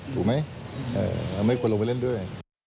ถูกไหมเราไม่ควรลงไปเล่นด้วย